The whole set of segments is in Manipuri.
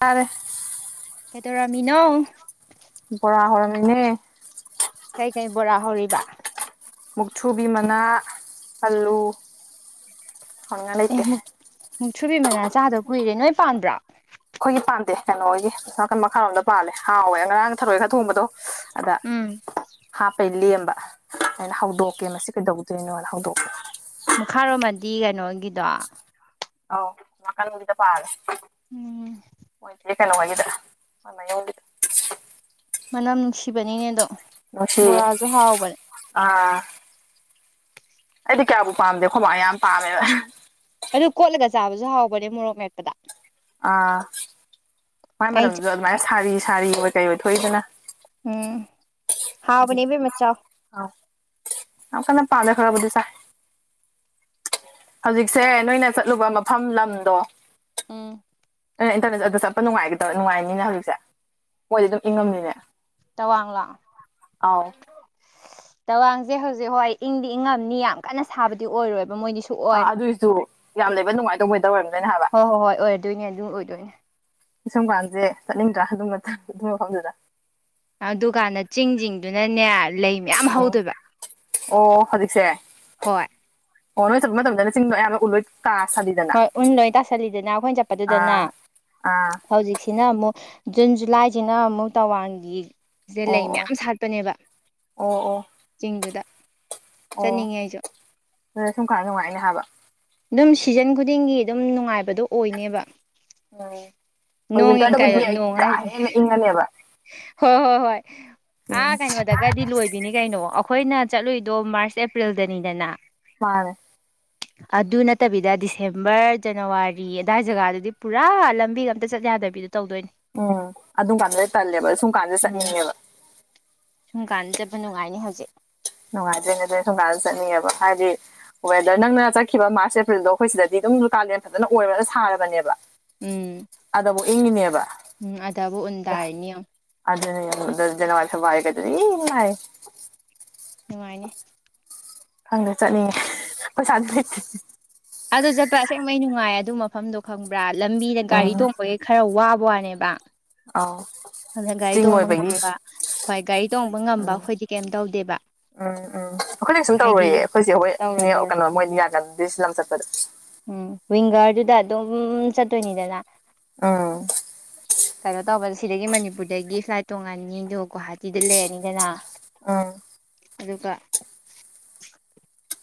ꯌꯥꯔꯦ ꯇꯧꯔꯃꯤꯅꯣ ꯕꯣꯔ ꯍꯧꯔꯃꯤꯅꯦ ꯀꯩꯀꯩ ꯕꯣꯔꯥ ꯍꯧꯔꯤꯕ ꯃꯨꯛꯊꯨꯕꯤ ꯃꯅꯥ ꯑꯜꯂꯨ ꯑꯦ ꯃꯨꯛꯊꯨꯕꯤ ꯃꯅꯥ ꯆꯥꯗꯕ ꯀꯨꯏꯔꯦ ꯅꯣꯏ ꯄꯥꯟꯕ꯭ꯔꯥ ꯑꯩꯈꯣꯏꯒꯤ ꯄꯥꯟꯗꯦ ꯀꯩꯅꯣꯍꯣꯏꯒꯤ ꯅꯀꯟ ꯃꯈꯥꯔꯣꯝꯗ ꯄꯥꯂꯦ ꯍꯥꯎꯋꯦ ꯉꯔꯥꯡ ꯊꯔꯣꯏ ꯈꯔ ꯊꯣꯡꯕꯗꯣ ꯑꯗ ꯎꯝ ꯍꯥ ꯄꯩ ꯂꯦꯝ ꯑꯩꯅ ꯍꯧꯗꯣꯛꯀꯦ ꯃꯁꯤ ꯀꯩꯗꯧꯗꯣꯏꯅꯣꯅ ꯍꯧꯗꯣꯛꯄꯅꯦ ꯃꯈꯥꯔꯣꯝꯃꯗꯤ ꯀꯩꯅꯣꯒꯤꯗꯣ ꯑꯧ ꯃꯈꯥꯔꯣꯝꯒꯤꯗ ꯄꯥꯜꯂꯦ ꯎꯝ ꯀꯩꯅꯣ ꯍꯣꯏꯒꯤꯗ ꯐꯣꯟ ꯃꯩ ꯌꯥꯎꯗꯦ ꯃꯅꯝ ꯅꯨꯡꯁꯤꯕꯅꯤꯅꯦ ꯑꯗꯣ ꯅꯨꯡꯁꯤꯌꯦ ꯕꯣꯔꯥꯁꯨ ꯍꯥꯎꯕꯅꯦ ꯑꯥ ꯑꯩꯗꯤ ꯀ꯭ꯌꯥꯕꯨ ꯄꯥꯝꯗꯦ ꯈꯣꯢ ꯃꯥ ꯍꯣꯢ ꯌꯥꯝ ꯄꯥꯝꯃꯦꯕ ꯑꯗꯨ ꯀꯣꯠꯂꯒ ꯆꯥꯕꯁꯨ ꯍꯥꯎꯕꯅꯦ ꯃꯣꯔꯣꯛ ꯃꯦꯠꯄꯗ ꯑꯥ ꯃꯥꯏ ꯑꯩ ꯃꯅꯝꯗꯨꯁꯨ ꯑꯗꯨꯃꯥꯏꯅ ꯁꯥꯔꯤ ꯁꯥꯔꯤ ꯑꯣꯏ ꯀꯩ ꯑꯣꯏ ꯊꯣꯛꯏꯗꯅ ꯎꯝ ꯍꯥꯎꯕꯅꯦ ꯏꯕꯦꯝꯃ ꯆꯥꯎ [unintelligible] ꯄꯥꯅ ꯈꯔꯕꯨꯗꯤ ꯆꯥꯢ ꯍꯧꯖꯤꯛꯁꯦ ꯆꯥꯎ ꯅꯣꯏꯅ ꯆꯠꯂꯨꯕ ꯃꯐꯝ ꯂꯝꯗꯣ ꯎꯝ ꯏꯟꯇꯔꯅꯦꯠ ꯑꯗ ꯆꯠꯄ ꯅꯨꯡꯉꯥꯏꯒꯗ ꯅꯨꯡꯉꯥꯏꯅꯤꯅꯦ ꯍꯧꯖꯤꯛꯁꯦ ꯃꯣꯏꯗꯤ ꯑꯗꯨꯝ ꯏꯪꯉꯝꯅꯤꯅꯦ ꯇꯋꯥꯡꯂꯣ ꯑꯥꯎ ꯇꯋꯥꯡꯁꯦ ꯍꯧꯖꯤꯛ ꯍꯣꯏ ꯏꯪꯗꯤ ꯏꯪꯉꯝꯅꯤ ꯌꯥꯝ ꯀꯟꯅ ꯁꯥꯕꯗꯤ ꯑꯣꯏꯔꯣꯏ ꯑꯥ ꯑꯗꯨꯏꯁꯨ ꯌꯥꯝ ꯂꯩꯕ ꯅꯨꯡꯉꯥꯏꯗꯧ ꯋꯦ ꯍꯣꯍꯣ ꯍꯣꯏ ꯑꯣꯏꯗꯣꯏꯅꯦ ꯑꯗꯨ ꯑꯣꯏꯗꯣꯏꯅꯦ ꯁꯨꯝ ꯀꯥꯟꯁꯦ ꯆꯠꯅꯤꯡꯗ꯭ꯔ ꯑꯗꯨ ꯃꯇ ꯑꯗꯨ ꯃꯐꯝꯗꯨꯗ ꯑꯗꯨꯀꯥꯟꯗ ꯆꯤꯡꯁꯤꯡ ꯗꯨꯅꯅꯦ ꯑꯣ ꯑꯣ ꯍꯧꯖꯤꯛꯁꯦ ꯍꯣꯏ ꯑꯣ ꯅꯣꯏ ꯆꯠ ꯃꯇꯝꯗꯅ ꯆꯤꯡ ꯃꯌꯥꯝ ꯎꯕꯩ ꯍꯣꯏ ꯎꯟ ꯂꯣꯏ ꯇꯥꯁꯜꯂꯤꯗꯅ ꯑꯩꯈꯣꯏꯅ ꯆꯠꯄꯗꯨꯗꯅ ꯑꯥ ꯑꯥ ꯍꯧꯖꯤꯛꯁꯤꯅ ꯑꯃꯨꯛ ꯖꯨꯟ ꯖꯨꯂꯥꯏꯁꯤꯅ ꯑꯃꯨꯛ ꯇꯧꯋꯥꯡꯒꯤ ꯁꯤꯗ ꯑꯣ ꯂꯩ ꯑꯣ ꯃꯌꯥꯝ ꯁꯥꯠꯄꯅꯦꯕ ꯑꯣ ꯑꯣ ꯆꯤꯡꯗꯨꯗ ꯑꯣ ꯆꯠꯅꯤꯡꯉꯦ ꯑꯩꯁꯨ ꯑ ꯁꯨꯝ ꯀꯥꯟ ꯅꯨꯡꯉꯥꯏꯅꯤ ꯍꯥꯏꯕ ꯑꯗꯨꯝ ꯁꯤꯖꯟ ꯈꯨꯗꯤꯡꯒꯤ ꯑꯗꯨꯝ ꯅꯨꯡꯉꯥꯏꯕꯗꯣ ꯑꯣꯏꯅꯦꯕ ꯎꯝ ꯍꯣꯏ ꯅꯣꯡꯢꯟ ꯋꯤꯟꯇꯔꯗꯕꯨꯗꯤ ꯑꯩ ꯅꯣꯡ ꯀꯥ ꯍꯥꯏꯁꯦ ꯍꯦꯟꯅ ꯏꯪꯉꯅꯦꯕ ꯍꯣꯏ ꯍꯣꯏ ꯍꯣꯏ ꯎꯝ ꯑꯥ ꯀꯩꯅꯣꯗꯒꯗꯤ ꯂꯣꯏꯕꯤꯅꯤ ꯀꯩꯅꯣ ꯑꯩꯈꯣꯏꯅ ꯆꯠꯂꯨꯏꯗꯣ ꯃꯥꯔꯁ ꯑꯦꯄ꯭ꯔꯤꯜ ꯗꯅꯤꯗꯅ ꯃꯥꯅꯦ ꯑꯗꯨ ꯅꯠꯇꯕꯤꯗ ꯗꯤꯁꯦꯝꯕꯔ ꯖꯅꯋꯥꯔꯤ ꯑꯗꯥꯏ ꯖꯒꯗꯨꯗꯤ ꯄꯨꯔꯥ ꯂꯝꯕꯤꯒ ꯑꯝꯇ ꯆꯠ ꯌꯥ ꯌꯥꯗꯕꯤꯗꯣ ꯇꯧꯗꯣꯏ ꯑꯣ ꯑꯗꯨꯝ ꯀꯥꯟꯗꯨꯗ ꯇꯜꯂꯦꯕ ꯁꯨꯝ ꯀꯥꯟꯗ ꯎꯝ ꯆꯠꯅꯤꯡꯉꯦꯕ ꯁꯨꯝ ꯀꯥꯟꯗ ꯆꯠꯄ ꯅꯨꯡꯉꯥꯏꯅꯤ ꯍꯧꯖꯤꯛ ꯅꯨꯡꯉꯥꯏꯗꯣꯢꯅꯦ ꯑꯗꯨ ꯁꯨꯝꯀꯥꯟꯗ ꯆꯠꯅꯤꯡꯉꯦꯕ ꯍꯥꯏꯗꯤ ꯋꯦꯗꯔ ꯅꯪꯅ ꯆꯠꯈꯤꯕ ꯃꯥꯔꯁ ꯑꯦꯄ꯭ꯔꯤꯜꯗꯣ ꯑꯩꯈꯣꯏ ꯁꯤꯗꯗꯤ ꯑꯗꯨꯝ ꯀꯥꯂꯦꯟ ꯐꯖꯟꯅ ꯑꯣꯏꯔꯒ ꯁꯥꯔꯕꯅꯦꯕ ꯎꯝ ꯑꯗꯕꯨ ꯏꯪꯉꯤꯅꯦꯕ ꯎꯝ ꯑꯗꯕꯨ ꯎꯟ ꯑꯗ ꯇꯥꯔꯤꯅꯤ ꯌꯦꯡꯎ ꯑꯗꯨꯅꯦ ꯑꯗꯨ ꯖꯅꯋꯥꯔꯤ ꯐꯦꯕꯋꯥꯔꯤꯒꯗꯤ ꯏꯃꯥꯏ ꯅꯨꯡꯉꯥꯏꯅꯦ ꯈꯪꯗꯦ ꯆꯠꯅꯤꯡꯉꯦ ꯄꯩꯁꯥꯗꯤ ꯂꯩꯇꯦ ꯑꯗꯨ ꯆꯠꯄ ꯑꯁꯦꯡꯕꯩ ꯅꯨꯡꯉꯥꯏ ꯑꯗꯨ ꯃꯐꯝꯗꯣ ꯈꯪꯕ꯭ꯔꯥ ꯂꯝꯕꯤꯗ ꯒꯥꯔꯤ ꯎꯝ ꯇꯣꯡꯕꯒꯤ ꯈꯔ ꯋꯥ ꯋꯅꯦꯕ ꯑꯥꯎ ꯑꯗꯨꯅ ꯒꯥꯔꯤ ꯆꯤꯡ ꯇꯣꯡꯕ ꯑꯣꯏꯕꯒꯤ ꯉꯝꯕ ꯍꯣꯏ ꯒꯥꯔꯤ ꯇꯣꯡꯕ ꯉꯝꯕ ꯑꯩꯈꯣꯏꯗꯤ ꯀꯩꯝ ꯇꯧꯗꯦꯕ ꯎꯝ ꯎꯝ ꯑꯩꯈꯣꯏ ꯀꯩꯁꯨꯝ ꯍꯥꯏꯗꯤ ꯇꯧꯔꯣꯏꯌꯦ ꯑꯩꯈꯣꯏ ꯆꯦ ꯋꯦꯠ ꯇꯧꯔꯣꯏ ꯅꯦ ꯇꯧꯔꯣꯏ ꯀꯩꯅꯣ ꯃꯣꯏꯗꯤ ꯌꯥꯗꯝꯅꯦ ꯗꯤꯁꯂꯝ ꯆꯠꯄꯗ ꯎꯝ ꯋꯤꯡꯒꯔꯗꯨꯗ ꯑꯗꯨꯝ ꯆꯠꯇꯣꯏꯅꯤꯗꯅ ꯑꯥ ꯀꯩꯅꯣ ꯇꯧꯕꯗ ꯁꯤꯗꯒꯤ ꯃꯅꯤꯄꯨꯔꯗꯒꯤ ꯐ꯭ꯂꯥꯏꯠ ꯇꯣꯡꯉꯅꯤ ꯑꯗꯨ ꯒꯨꯍꯥꯇꯤꯗ ꯂꯩꯔꯅꯤꯗꯅ ꯑꯥ ꯑꯗꯨꯒ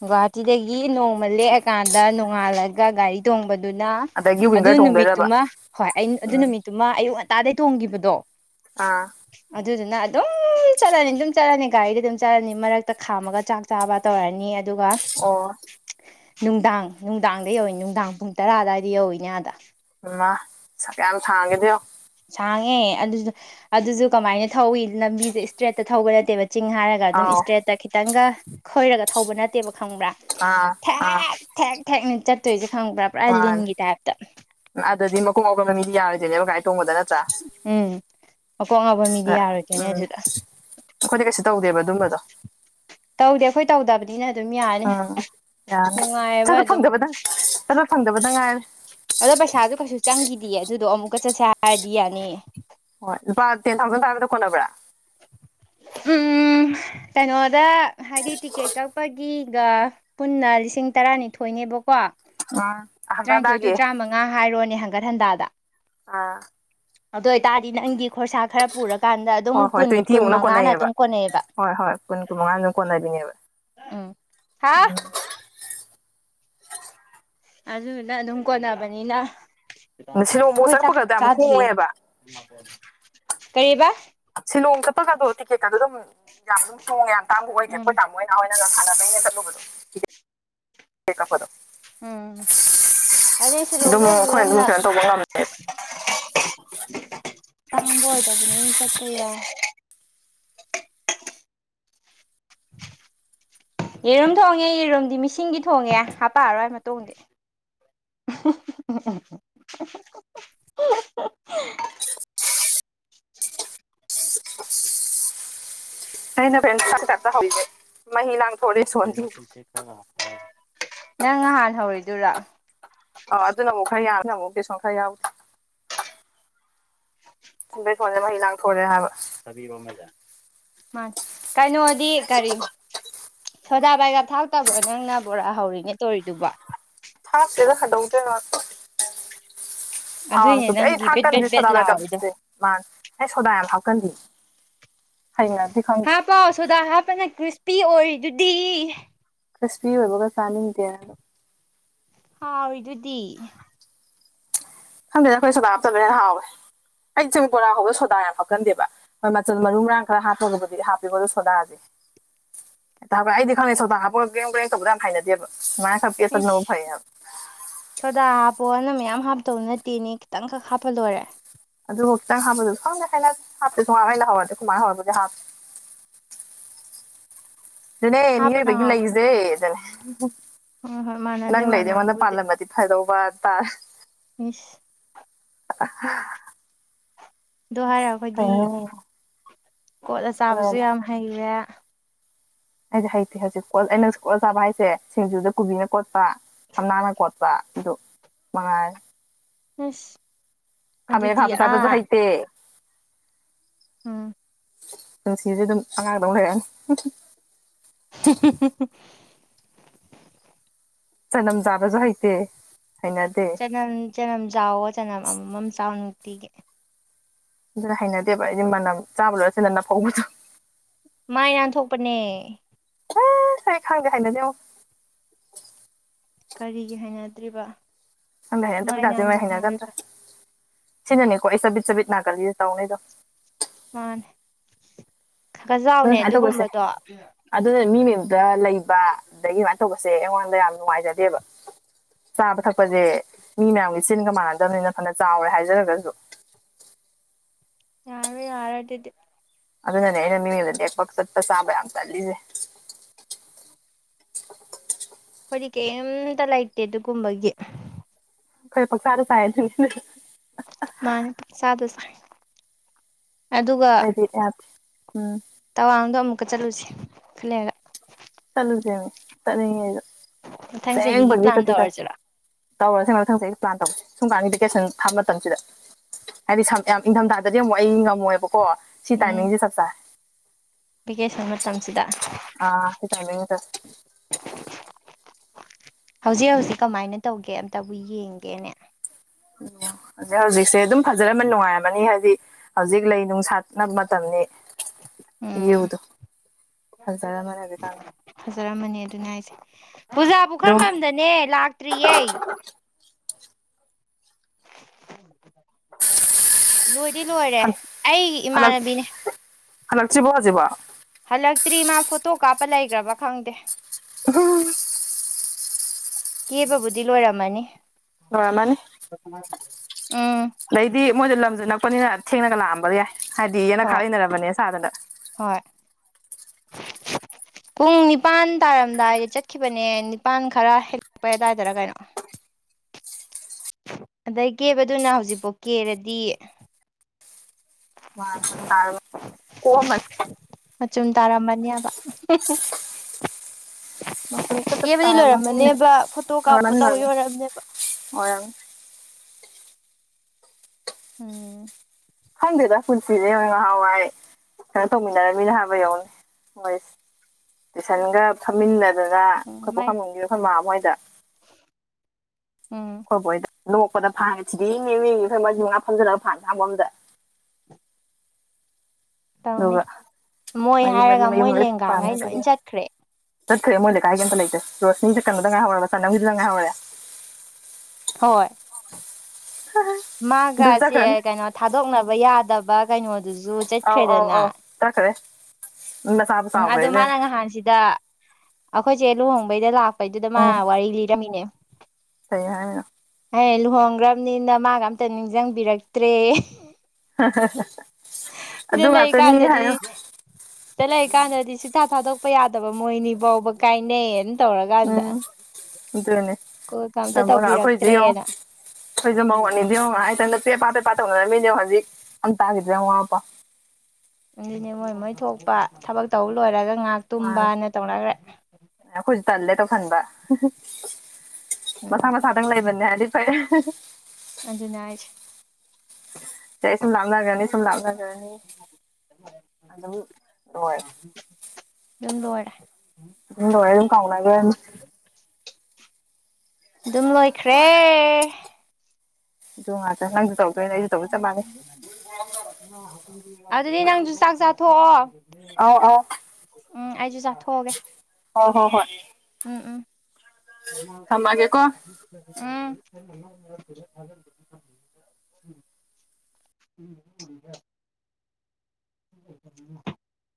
ꯒꯨꯍꯥꯇꯤꯗꯒꯤ ꯅꯣꯡꯃ ꯂꯦꯛꯑꯀꯥꯟꯗ ꯅꯣ ꯅꯣꯡꯉꯥꯜꯂꯒ ꯒꯥꯔꯤ ꯊꯣꯡꯕꯗꯨꯅ ꯑꯗꯒꯤ ꯑꯗꯨ ꯋꯤꯡꯒꯔ ꯇꯣꯡꯗꯣꯏꯔꯕ ꯅꯨꯃꯤꯠꯇꯨꯃ ꯍꯣꯏ ꯑꯩ ꯑꯗꯨ ꯎꯝ ꯅꯨꯃꯤꯠꯇꯨꯃ ꯑꯌꯨꯛ ꯉꯟ ꯇꯥꯗꯩ ꯇꯣꯡꯈꯤꯕꯗꯣ ꯑꯥ ꯑꯗꯨꯗꯨꯅ ꯑꯗꯨꯝ ꯁꯨꯝ ꯆꯠꯂꯅꯤ ꯁꯨꯝ ꯆꯠꯂꯅꯤ ꯒꯥꯔꯤꯗꯤ ꯑꯗꯨꯝ ꯆꯠꯂꯅꯤ ꯃꯔꯛꯇ ꯈꯥꯝꯃꯒ ꯆꯥꯛ ꯆꯥꯕ ꯇꯧꯔꯅꯤ ꯑꯗꯨꯒ ꯑꯣ ꯅꯨꯡꯗꯥꯡ ꯅꯨꯡꯗꯥꯡꯗ ꯌꯧꯋꯤ ꯅꯨꯡꯗꯥꯡ ꯄꯨꯡ ꯇꯔꯥ ꯑꯗꯨꯗꯋꯥꯏꯗ ꯌꯧꯋꯤꯅꯦ ꯑꯥꯗ ꯍꯩꯃꯥ ꯁꯛꯌꯥꯝ ꯁꯥꯡꯒꯦꯗꯣ ꯌꯦꯡꯉꯣ ꯁꯥꯡꯉꯦ ꯑꯗꯨꯗ ꯑꯗꯨꯁꯨ ꯀꯃꯥꯏꯅ ꯊꯧꯋꯤ ꯂꯝꯕꯤꯁꯦ ꯏꯁꯇ꯭ꯔꯦꯠꯇ ꯊꯧꯕ ꯅꯠꯇꯦꯕ ꯆꯤꯡ ꯍꯥꯏꯔꯒ ꯑꯗꯨꯝ ꯑꯥꯎ ꯏꯁꯇ꯭ꯔꯦꯠꯇ ꯈꯤꯇꯪꯒ ꯈꯣꯏꯔꯒ ꯊꯧꯕ ꯅꯠꯇꯦꯕ ꯈꯪꯕ꯭ꯔꯥ ꯑꯥ ꯊꯦꯛ ꯊꯦꯛ ꯊꯦꯛꯅꯦ ꯆꯠꯇꯣꯏꯁꯦ ꯈꯪꯕ꯭ꯔꯥ ꯄꯨꯔꯥ ꯋꯥ ꯂꯤꯟꯒꯤ ꯇꯥꯏꯞꯇ ꯑꯗꯨꯗꯤ ꯃꯀꯣꯛ ꯉꯥꯎꯒꯟꯕ ꯃꯤꯗꯤ ꯌꯥꯔꯣꯏꯗꯣꯏꯅꯦꯕꯥ ꯇꯣꯡꯕꯗ ꯅꯠꯇ꯭ꯔꯥ ꯎꯝ ꯃꯀꯣꯛ ꯉꯥꯎꯕ ꯃꯤꯗꯤ ꯑ ꯌꯥꯔꯣꯏꯗꯣꯏꯅꯦ ꯎꯝ ꯑꯗꯨꯗ ꯑꯩꯈꯣꯏꯗꯤ ꯀꯩꯁꯨ ꯇꯧꯗꯦꯕ ꯑꯗꯨꯝꯕꯗꯣ ꯇꯧꯗꯦ ꯑꯩꯈꯣꯏ ꯇꯧꯗꯕꯅꯤꯅ ꯑꯗꯨꯝ ꯌꯥꯅꯤ ꯎꯝ ꯌꯥꯅꯤ ꯅꯨꯡꯉꯥꯏꯑꯦꯕ ꯆꯠꯄ ꯑꯗꯨꯝ ꯐꯪꯗꯕꯗꯪ ꯆꯠꯄ ꯐꯪꯗꯕꯗ ꯉꯥꯏꯔꯦ ꯗꯤ ꯑꯗꯨꯗꯣ ꯑꯃꯨꯛꯀ ꯆꯠꯁꯦ ꯍꯥꯏꯔꯗꯤ ꯌꯥꯅꯤ ꯍꯣꯏ ꯂꯨꯄꯥ ꯇꯦꯟ ꯊꯥꯎꯖꯟ ꯈꯥꯏꯕꯗꯣ ꯀꯣꯟꯅꯕ꯭ꯔ ꯎꯝ ꯑꯝ ꯀꯩꯅꯣꯗ ꯍꯥꯏꯗꯤ ꯇꯤꯀꯦꯠ ꯀꯛꯄꯒꯤꯒ ꯄꯨꯟꯅ ꯂꯤꯁꯤꯡ ꯇꯔꯥꯅꯤꯊꯣꯏꯅꯤ ꯅꯦꯕ ꯀꯣ ꯑꯥ ꯇꯔꯥꯅꯤꯊꯣꯏꯗꯨ ꯇꯔꯥꯃꯉꯥ ꯍꯥꯏꯔꯣꯅꯦ ꯍꯟꯒꯠ ꯍꯟꯗꯥꯗ ꯑꯥ ꯑꯗꯨ ꯑꯣꯏꯇꯥꯔꯗꯤ ꯅꯪꯗꯤ ꯈꯣꯔꯁꯥ ꯈꯔ ꯄꯨꯔꯒ ꯀꯥꯟꯗ ꯑꯗꯨꯝ ꯍꯣꯏ ꯍꯣꯏ ꯀꯨꯟ ꯀꯨꯟ ꯇ꯭ꯋꯦꯟꯇꯤꯃꯨꯛꯅ ꯃꯉꯥꯅ ꯀꯣꯟꯅꯩꯌꯦꯕ ꯑꯗꯨꯝ ꯀꯣꯟꯅꯩꯑꯦꯕ ꯍꯣꯏ ꯍꯣꯏ ꯀꯨꯟ ꯀꯨꯟꯃꯉꯥ ꯑꯗꯨꯝ ꯀꯣꯟꯅꯕꯤꯅꯦꯕ ꯎꯝ ꯍꯥ ꯑꯗꯨꯅ ꯑꯗꯨꯝ ꯀꯣꯟꯅꯕꯅꯤꯅ ꯑꯗ ꯁꯤꯂꯣꯡꯐꯥꯎ ꯑꯩꯈꯣꯏ ꯆꯥꯛ ꯆꯠꯄꯒꯗ ꯌꯥꯝ ꯆꯥꯗ꯭ꯔꯤꯌꯦ ꯍꯣꯡꯉꯦꯕ ꯀꯩꯑꯕ ꯁꯤꯂꯣꯡ ꯆꯠꯄꯒꯗꯣ ꯇꯤꯛꯀꯦꯠꯀꯗꯣ ꯑꯗꯨꯝ ꯌꯥꯝ ꯑꯗꯨꯝ ꯍꯣꯡꯉꯦ ꯌꯥꯝ ꯇꯥꯡꯕ ꯑꯣꯏꯗꯦ ꯑꯩꯈꯣꯏ ꯎꯝ ꯇꯥꯃꯣꯏ ꯅꯍꯥꯟ ꯋꯥꯏ [unintelligible] ꯁꯥꯟꯅꯕꯩꯅꯦꯅ ꯆꯠꯂꯨꯕꯗꯣ ꯇꯤꯀꯦꯠ ꯀꯛꯄꯗꯣ ꯎꯝ ꯑꯅꯦ ꯑꯗꯨꯝ ꯁꯤꯂꯣꯡꯗ ꯍꯧꯖꯤꯛ ꯑꯩꯈꯣꯏꯅ ꯑꯗꯨꯝ ꯌꯥꯝꯅ ꯀꯩꯅꯣ ꯇꯧꯕ ꯉꯝꯃꯦ ꯇꯥꯡꯕ ꯑꯣꯏꯗꯕꯅꯤ ꯆꯠꯄ ꯌꯥꯏ [inaudible] ꯌꯦꯔꯨꯝ ꯊꯣꯡꯉꯦ ꯌꯦꯔꯨꯝꯗꯤ ꯃꯤꯁꯤꯡꯒꯤ ꯊꯣꯡꯉꯦ ꯍꯥꯄꯛꯑꯔꯣꯏ ꯃꯇꯣꯡꯗꯤ ꯑꯝ ꯍ ꯍ ꯍ ꯍ [inaudible] [inaudible] ꯑꯩꯅ ꯄꯦꯟꯅ ꯆꯥꯛꯀꯤ ꯇꯥꯏꯞꯇꯥ ꯅꯦ ꯃꯍꯤ ꯂꯥꯡꯊꯣꯛꯔꯦ ꯁꯣꯁ ꯅꯪ ꯉꯍꯥꯟ ꯍꯧꯔꯤꯗꯨꯔꯥ ꯑꯧ ꯑꯗꯨ ꯅ ꯑꯃꯨꯛ ꯈꯔ ꯌꯥꯎ ꯁꯤꯅꯃꯨꯛ ꯕꯦꯁꯣꯟ ꯈꯔ ꯌꯥꯎꯗꯦ ꯕꯦꯁꯣꯟꯁꯦ ꯃꯍꯤ ꯂꯥꯡꯊꯣꯔꯛꯑꯦ ꯍꯥꯏꯕ ꯃꯥ ꯀꯩꯅꯣꯗꯤ ꯀꯔꯤ ꯁꯣꯗꯥ ꯕꯥꯏꯒꯞ ꯊꯥꯛꯇꯕ꯭ꯔꯣ ꯅꯪꯅ ꯕꯣꯔꯥ ꯍꯧꯔꯤꯅꯦ ꯇꯣꯔꯤꯗꯨꯕꯣ ꯊꯥꯛꯇꯦꯗ ꯀꯩꯗꯧꯗꯨꯏꯅꯣ ꯅ ꯊꯥꯎ ꯌꯥꯝ ꯑꯗꯨꯏꯅꯦ ꯆꯨꯞꯄꯦ ꯑꯩ ꯅꯪꯒꯤ ꯕꯦꯠ ꯕꯦꯠ ꯊꯥꯛꯀꯟꯗꯦ ꯕꯦꯠ ꯁꯣꯗꯥꯕꯥꯏꯒꯞ ꯂꯥꯎꯔꯤꯗꯣ ꯁꯦ ꯃꯥꯟ ꯑꯩ ꯁꯣꯗꯥ ꯌꯥꯝ ꯍꯥꯞ ꯀꯟꯗꯦ ꯍꯥꯞꯄꯣ ꯁꯣꯗꯥ ꯍꯥꯞꯄꯅ ꯀ꯭ꯔꯤꯁꯄꯤ ꯑꯣꯏꯔꯤꯗꯨꯗꯤ ꯀ꯭ꯔꯤꯁꯄꯤ ꯑꯣꯏꯕꯒ ꯆꯥꯅꯤꯡꯗꯦ ꯍꯥꯎꯔꯤꯗꯨꯗꯤ ꯈꯪꯗꯦꯗ ꯑꯩꯈꯣꯏ ꯁꯣꯗꯥ ꯍꯥꯞꯇꯕꯅ ꯍꯦꯟꯅ ꯍꯥꯎꯋꯦ ꯑꯩ ꯆꯪ ꯕꯣꯔꯥ ꯍꯥꯎꯕꯗ ꯁꯣꯗꯥ ꯌꯥꯝ ꯍꯥꯞꯀꯟꯗꯦꯕ ꯍꯣꯏ ꯃꯆꯜ ꯃꯔꯨ ꯃꯔꯥꯡ ꯈꯔ ꯍꯥꯞꯄꯒꯕꯨꯗꯤ ꯍꯥꯞꯄꯤꯀꯣ ꯑꯗꯨꯣ ꯁꯣꯗꯥꯗꯤ ꯇꯥꯕ꯭ꯔ ꯑꯩꯗꯤ ꯈꯪꯗꯦ ꯁꯣꯗꯥ ꯍꯥꯞꯄꯒ ꯒ꯭ꯔꯦꯝ ꯒ꯭ꯔꯦꯝ ꯇꯧꯕꯗꯣ ꯌꯥꯝ ꯍꯩꯅꯗꯦꯕ ꯁꯨꯃꯥꯏ ꯈꯔ ꯄꯦꯠꯄꯁꯤꯅ ꯏꯁ ꯑꯃꯨꯛ ꯐꯩ ꯍꯥꯏꯕ ꯄꯣꯅ ꯃꯌꯥꯝ ꯍꯥꯞꯇꯧ ꯅꯠꯇꯦꯅꯦ ꯈꯤꯇꯪꯈꯛ ꯍꯥꯞꯄ ꯂꯣꯏꯔꯦ ꯑꯗꯨ ꯈꯛꯇꯪ ꯍꯥꯞꯄꯗꯣ ꯈꯪꯗꯦ ꯍꯩꯅꯗꯦ ꯍꯥꯞꯇꯦ ꯁꯨꯡꯍꯥꯞ ꯑꯩꯈꯣꯏ ꯃꯥꯅ ꯍꯧꯔꯕꯨꯗꯤ ꯍꯥꯞ ꯑꯗꯨꯅꯦ ꯍꯥꯞꯄꯅ ꯃꯤꯑꯣꯏꯕꯒꯤ ꯍꯥꯎꯕꯅꯦ ꯂꯩꯖꯦ ꯑꯗꯨꯅꯦ ꯍꯣꯏ ꯍꯣꯏ ꯃꯥꯟꯅꯗꯦ ꯅꯪ ꯂꯩꯗꯣ ꯑꯩꯉꯣꯟꯗ ꯃꯥꯟꯅꯕꯕꯨꯗꯤ ꯄꯥꯜꯂꯝꯃꯗꯤ ꯐꯗꯧꯕ ꯇꯥꯔꯦ ꯏꯁ [inaudible] ꯑꯗꯨ ꯍꯥꯏꯔ ꯑꯈꯣꯏꯗꯤ ꯀꯩꯅꯣ ꯀꯣꯠꯂ ꯆꯥꯕꯁꯨ ꯀꯩꯗꯧꯔꯕ ꯌꯥꯝ ꯍꯩꯔꯦ ꯑꯩꯗꯤ ꯍꯩꯇꯦ ꯍꯩꯖꯤꯛꯄꯣ ꯑꯩꯅ ꯀꯣꯠꯂ ꯆꯥꯕ ꯍꯥꯏꯁꯦ ꯁꯤꯡꯖꯨꯗ ꯀꯨꯕꯤꯅ ꯀꯣꯠꯄ ꯊꯝꯅꯥꯅ ꯈꯣꯠꯄ ꯑꯗꯨ ꯃꯉꯥꯏꯔꯦ ꯏꯁ ꯈꯥꯃꯦꯟ ꯑꯗꯨꯗꯤ ꯈꯥꯕ ꯆꯥꯕꯁꯨ ꯑꯥ ꯍꯩꯇꯦ ꯎꯝ ꯄꯨꯟꯁꯤꯁꯦ ꯑꯗꯨꯝ ꯑꯉꯥꯡꯗꯧ ꯂꯩꯔꯅꯤ ꯍꯨꯝ ꯍꯨꯝ ꯍꯨꯝ [unintelligible] ꯆꯅꯝ ꯆꯥꯕꯁꯨ ꯍꯩꯇꯦ ꯍꯩꯅꯗꯦ ꯆꯅꯝ ꯆꯅꯝ ꯆꯥꯎꯋꯣ ꯆꯅꯝ ꯑꯃꯃꯝ ꯆꯥꯎ ꯅꯨꯡꯇꯤꯒꯤ ꯑꯗꯨꯅ ꯍꯩꯅꯗꯦꯕ ꯑꯩꯗꯤ ꯃꯅꯝ ꯆꯥꯕ ꯂꯣꯏꯔꯒ ꯆꯤꯟꯗ ꯅꯐꯧꯕꯗꯣ ꯃꯥꯏ ꯅꯥꯟꯊꯣꯛꯄꯅꯦ ꯑꯦ ꯑꯩ ꯈꯪꯗꯦ ꯍꯩꯅꯗꯦꯉꯣ ꯀꯔꯤꯒꯤ ꯍꯥꯏꯅꯗ꯭ꯔꯤꯕ ꯈꯪꯗꯦ ꯍꯩꯅꯗꯕ ꯖꯥꯠꯁꯦ ꯍꯩꯅꯗꯕꯅ ꯁꯤꯅꯅꯦꯀꯣ ꯑꯩ ꯆꯕꯤꯠ ꯆꯕꯤꯠ ꯅꯥꯒꯜꯂꯤꯁꯦ ꯇꯧꯅꯩꯗꯣ ꯃꯥꯅꯦ ꯈꯒ ꯑꯗꯨꯅ ꯆꯥꯎꯅꯦ ꯁꯨꯃꯥꯏꯅ ꯑꯗꯨꯒꯨꯝꯕꯗꯣ ꯗ ꯂꯩꯕ ꯑꯗꯒꯤ ꯑꯗꯨꯃꯥꯏ ꯇꯧꯕꯁꯦ ꯑꯩꯉꯣꯟꯗ ꯌꯥꯝ ꯅꯨꯡꯉꯥꯏꯖꯗꯦꯕ ꯆꯥꯕ ꯊꯛꯄꯁꯦ ꯃꯤ ꯃꯌꯥꯝꯒꯤ ꯆꯤꯟꯒ ꯃꯥꯟꯅꯗꯝꯅꯤꯅ ꯐꯅ ꯆꯥꯎꯔꯦ ꯍꯥꯏꯖꯔꯒꯁꯨ ꯌꯥꯔꯔꯣꯏ ꯌꯥꯔꯔꯣꯏ ꯑꯗꯨꯗꯤ ꯑꯗꯨꯅꯅꯦ ꯑꯩꯅ ꯃꯤꯌꯨꯝꯗ ꯂꯦꯛꯄ ꯆꯠꯄ ꯆꯥꯕ ꯌꯥꯝ ꯇꯜꯂꯤꯁꯦ [inaudible] ꯗꯤ ꯀꯩꯝꯇ ꯂꯩꯇꯦ ꯑꯗꯨꯒꯨꯝꯕꯒꯤ ꯈꯣꯏ ꯄꯪꯆꯥꯗ ꯆꯥꯏ ꯑꯗꯨꯅꯦ [unintelligible] ꯃꯥꯅꯦ ꯄꯪꯆꯥꯗ ꯆꯥꯏ ꯑꯗꯨꯒ ꯑꯩꯗꯤ ꯌꯥꯗꯦ ꯎꯝ ꯇꯋꯥꯡꯗꯣ ꯑꯃꯨꯛꯀ ꯆꯠꯂꯨꯁꯤ ꯈꯂꯩꯔꯒ ꯆꯠꯂꯨꯖꯦꯃꯦ ꯆꯠꯅꯤꯡꯉꯦ ꯑꯩꯁꯨ ꯃꯊꯪ ꯆꯍꯤꯒꯤ ꯑꯁꯦꯡꯕꯒꯤ ꯄ꯭ꯂꯥꯟ ꯆꯠꯇꯤ ꯆꯠꯁꯦ ꯇꯧꯔꯁꯤꯔꯣ ꯇꯧꯔꯁꯦ ꯃꯊꯪ ꯆꯍꯤ ꯄ꯭ꯂꯥꯟ ꯇꯧꯁꯦ ꯁꯨꯝꯀꯥꯟꯒꯤ ꯚꯦꯀꯦꯁꯟ ꯊꯥꯕ ꯃꯇꯝꯁꯤꯗ ꯍꯥꯏꯗꯤ ꯁꯝ ꯌꯥꯝ ꯏꯪꯊꯝꯊꯥꯗꯗꯤ ꯑꯃꯨꯛ ꯑꯩ ꯉꯝꯃꯣꯏꯕꯀꯣ ꯁꯤ ꯎꯝ ꯇꯥꯏꯃꯤꯡꯁꯦ ꯆꯞ ꯆꯥꯏ ꯚꯦꯀꯦꯁꯟ ꯃꯇꯝꯁꯤꯗ ꯗ [unintelligible] ꯍꯧꯖꯤꯛ ꯍꯧꯖꯤꯛ ꯀꯃꯥꯏꯅ ꯇꯧꯒꯦ ꯑꯝꯇꯕꯨ ꯌꯦꯡꯒꯦꯅꯦ [unintelligible] ꯍꯧꯖꯤꯛ ꯍꯧꯖꯤꯛꯁꯦ ꯑꯗꯨꯝ ꯐꯖꯔꯝꯃꯅꯤ ꯅꯨꯡꯉꯥꯏꯔꯝꯃꯅꯤ ꯍꯥꯏꯗꯤ ꯍꯧꯖꯤꯛ ꯂꯩ ꯅꯨꯡꯁꯥ ꯅꯝ ꯃꯇꯝꯅꯤ ꯎꯝ ꯚ꯭ꯌꯨꯗꯨ [unintelligible] ꯐꯖꯔꯝꯃꯅꯤ ꯑꯗꯨꯅꯦ ꯍꯥꯏꯁꯦ ꯄꯨꯖꯥ ꯑꯗꯨꯝ ꯄꯨꯈ꯭ꯔꯝꯕꯝꯗꯅꯦ ꯂꯥꯛ ꯂꯥꯛꯇ꯭ꯔꯤꯌꯦ ꯂꯣꯏꯗꯤ ꯂꯣꯏꯔꯦ ꯑꯩ ꯍꯜꯂꯛ ꯏꯃꯥꯟꯅꯕꯤꯅꯦ ꯍꯜꯂꯛꯇ꯭ꯔꯤꯕꯣ ꯍꯧꯖꯤꯛꯐꯥꯎ ꯍꯜꯂꯛꯇ꯭ꯔꯤ ꯃꯥ ꯐꯣꯇꯣ ꯀꯥꯞꯄ ꯂꯩꯒ꯭ꯔꯕ ꯈꯪꯗꯦ ꯎꯝ [unintelligible] ꯀꯦꯕꯕꯨꯗꯤ ꯂꯣꯏꯔꯝꯃꯅꯤ ꯂꯣꯢꯔꯝꯃꯅꯤ ꯎꯝ ꯑꯗꯩꯗꯤ ꯃꯣꯏꯗꯣ ꯂꯝꯖꯨ ꯅꯛꯄꯅꯤꯅ ꯊꯦꯡꯅꯒ ꯂꯥꯛꯑꯝꯕ ꯌꯥꯏ ꯍꯥꯏꯗꯤ ꯌꯦꯅꯈꯥ ꯍꯣꯏ ꯂꯩꯅꯔꯕꯅꯦ ꯁꯥꯗꯅ ꯍꯣꯏ [inaudible] ꯄꯨꯡ ꯅꯤꯄꯥꯟ ꯇꯥꯔꯝꯗꯥꯏꯗ ꯆꯠꯈꯤꯕꯅꯦ ꯅꯤꯄꯥꯟ ꯈꯔ ꯍꯦꯛꯂꯛꯄꯩ ꯑꯋꯥꯏꯗꯔ ꯀꯩꯅꯣ [inaudible] ꯑꯗꯩ ꯀꯦꯕꯗꯨꯅ ꯍꯧꯖꯤꯛꯐꯥꯎ ꯀꯦꯔꯗꯤ ꯃꯥꯟ ꯇꯥꯔꯝꯃꯅꯤ ꯀꯣꯛꯑꯝꯃꯅꯤ ꯃꯆꯨꯝ ꯇꯥꯔꯝꯃꯅꯦꯕ [unintelligible] ꯃꯆꯨꯝ ꯇꯞ ꯇꯞ ꯀꯦꯕꯗꯤ ꯇꯥꯔꯝꯃꯅꯤ ꯂꯣꯏꯔꯝꯃꯅꯦꯕ ꯐꯣꯇꯣ ꯀꯥꯞꯄ ꯅꯣꯔꯃꯦꯜ ꯇꯧꯔꯤ ꯅꯣꯔꯃꯦꯜ ꯑꯣꯢꯔꯝꯅꯦꯕ ꯑꯣꯏꯔꯝꯅꯤ ꯎꯝ ꯈꯪꯗꯦꯗ ꯄꯨꯟꯁꯤꯖꯦ [unintelligible] ꯅꯍꯥꯟꯋꯥꯏ ꯇꯨꯏꯁꯟ ꯇꯧꯃꯤꯟꯅꯔꯝꯃꯤꯅꯤ ꯍꯥꯕ ꯌꯦꯡꯎꯅꯦ ꯃꯣꯏꯁꯦ ꯇꯨꯏꯁꯟꯒ ꯐꯝꯃꯤꯟꯅ ꯗꯅ ꯎꯝ ꯑꯈꯣꯏ ꯃꯥꯏ ꯄꯨꯈ꯭ꯔꯝꯕꯝꯒꯤ ꯑꯩꯈꯣꯏ ꯃꯥꯃ ꯍꯣꯏꯗ ꯎꯝ ꯈꯣꯢ ꯕꯣꯛ ꯍꯣꯢꯗ ꯅꯣꯡꯄꯗ ꯐꯥꯟꯒꯊꯤꯗꯦꯛꯏꯅꯦꯃꯤ ꯈꯣꯏ ꯃꯔꯤ ꯃꯉꯥ ꯐꯝꯖꯜꯂꯒ ꯐꯥꯟ ꯑꯁꯥꯡꯕ ꯑꯝꯗ ꯇꯧꯅꯤ ꯑꯗꯨꯒ ꯃꯣꯏ ꯃꯔꯤ ꯃꯔꯤ ꯍꯥꯏꯔꯒ ꯃꯌꯨꯝ ꯃꯣꯏ ꯂꯣꯢ ꯂꯦꯡꯒꯥꯉꯩ ꯂꯣꯏ ꯄꯥꯟꯅꯒ꯭ꯔꯦ ꯆꯠꯈ꯭ꯔꯦ ꯆꯠꯈ꯭ꯔꯦ ꯃꯣꯏ ꯂꯩꯀꯥꯏꯒꯤ ꯑꯝꯇ ꯂꯩꯇꯦ ꯔꯣꯁꯅꯤꯒ ꯀꯟꯅꯣꯗ ꯉꯥꯏꯍꯧꯔꯕ ꯁꯅꯝꯒꯤꯗ ꯉꯥꯏꯍꯧꯔꯦ ꯍꯣꯏ ꯑꯗꯨ ꯃꯥꯒꯁꯦ ꯆꯠꯈ꯭ꯔꯅꯤ ꯀꯩꯅꯣ ꯊꯥꯗꯣꯛꯅꯕ ꯌꯥꯗꯕ ꯀꯩꯅꯣ ꯗꯨꯖꯨ ꯑꯧ ꯑꯧ ꯆꯠꯈ꯭ꯔꯦꯗꯅ ꯑꯧ ꯆꯠꯈ꯭ꯔꯦ ꯃꯆꯥꯕꯨ ꯎꯝ ꯆꯥꯎꯈ꯭ꯔꯦ ꯑꯗꯨ ꯏꯕꯦꯝꯃ ꯃꯥꯅ ꯅꯍꯥꯟ ꯁꯤꯗ ꯑꯈꯣꯏꯆꯦ ꯂꯨꯍꯣꯡꯕꯩꯗ ꯂꯥꯛ ꯀꯩꯗꯨꯗ ꯃꯥ ꯎꯝ ꯋꯥꯔꯤ ꯂꯤꯔꯝꯃꯤꯅꯦ ꯀꯩ ꯍꯥꯢꯅꯣ [unintelligible] ꯅ ꯂꯨꯍꯣꯡꯈ꯭ꯔꯕꯅꯤꯅ ꯃꯥꯒ ꯑꯝꯇ ꯅꯤꯡꯁꯤꯡꯕꯤꯔꯛꯇ꯭ꯔꯦ ꯁꯤꯗ ꯑꯗꯨ ꯉꯥꯛꯇꯅꯤ ꯂꯩꯀꯥꯟꯗꯗꯤ ꯍꯥꯏꯌꯣ ꯁꯤꯗ ꯂꯩ ꯀꯥꯟꯗꯗꯤ ꯁꯨꯛꯊꯥ ꯊꯥꯗꯣꯛꯄ ꯌꯥꯗꯕ ꯃꯣꯏꯅꯤ ꯕꯥꯎꯕ ꯀꯥꯏꯅꯩ ꯇꯧꯔꯀꯥꯟꯗ ꯎꯝ ꯑꯗꯨꯅꯦ ꯀꯣꯏꯒ ꯑꯝꯇ ꯇꯧꯕꯤꯔꯛꯇ꯭ꯔꯦꯅ ꯈꯣꯏꯖꯨ ꯃꯧ ꯑꯅꯤꯗꯦ ꯌꯧꯡꯉꯣ ꯉꯍꯥꯛ ꯂꯩꯇꯅ ꯄꯦꯄꯥ ꯄꯦꯄꯥ ꯇꯧꯔꯃꯤꯅꯦ [unintelligible] ꯍꯧꯖꯤꯛ ꯑꯝ ꯇꯥꯒꯤꯗ꯭ꯔꯦ ꯌꯦꯡꯑꯣ ꯃꯋꯥ ꯃꯄꯥ ꯑꯗꯨꯅꯦ ꯃꯣꯏ ꯃꯣꯏ ꯊꯣꯛꯄ ꯊꯕꯛ ꯇꯧ ꯂꯣꯏꯔꯒ ꯉꯥꯛ ꯃꯥꯅꯦ ꯇꯨꯝꯕꯅ ꯇꯧꯅꯒ꯭ꯔꯦ ꯁꯟꯕ ꯍ ꯍ ꯎꯝ ꯃꯁꯥ ꯃꯁꯥ ꯇꯪ ꯂꯩꯕꯅꯦ ꯍꯥꯏꯗꯤ ꯐꯩ [unintelligible] ꯑꯗꯨꯅꯦ ꯍꯥꯏꯁꯦ ꯑꯩ ꯁꯨꯝ ꯂꯥꯞꯅꯒꯅꯤ ꯁꯨꯝ ꯂꯥꯞꯅꯒ꯭ꯔꯅꯤ ꯑꯗꯨꯝ ꯂꯣꯏ ꯑꯗꯨꯝ ꯂꯣꯢꯔꯦ ꯑꯗꯨꯝ ꯀꯥꯎꯅꯈ꯭ꯔꯅꯤ ꯑꯗꯨꯝ ꯂꯣꯏꯈ꯭ꯔꯦ ꯑꯗꯨ ꯉꯥꯛꯇ ꯅꯪꯁꯨ ꯇꯧꯗꯣꯏꯅꯦ ꯑꯩꯁꯨ ꯇꯧꯗꯣꯏ ꯆꯞ ꯃꯥꯟꯅꯩ ꯑꯗꯨꯗꯤ ꯅꯪꯁꯨ ꯆꯥꯛ ꯆꯥ ꯊꯣꯛꯑꯣ ꯑꯥꯎ ꯑꯧ ꯆꯥꯊꯣꯛꯑꯒꯦ ꯍꯣ ꯍꯣ ꯍꯣꯏ ꯎꯝ ꯎꯝ ꯊꯝꯃꯒꯦꯀꯣ ꯎꯝ [unintelligible] [unintelligible] [unintelligible]